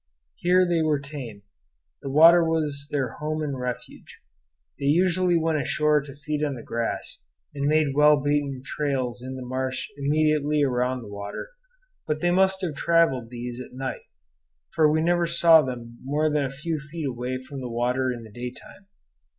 Here they were tame. The water was their home and refuge. They usually went ashore to feed on the grass, and made well beaten trails in the marsh immediately around the water; but they must have travelled these at night, for we never saw them more than a few feet away from the water in the daytime.